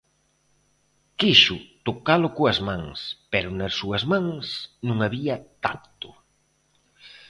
Quixo tocalo coas mans, pero nas súas mans non había tacto;